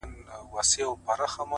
څه رنګه سپوږمۍ ده له څراغه يې رڼا وړې ـ